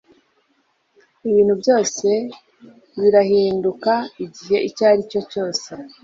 Ibintu byose birahinduka igihe icyaricyo cyose